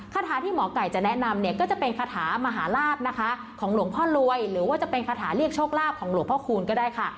คาถาที่หมอไก่จะแนะนำเนี่ยก็จะเป็นคาถามหาลาบนะคะของหลวงพ่อรวยหรือว่าจะเป็นคาถาเรียกโชคลาภของหลวงพ่อคูณก็ได้ค่ะ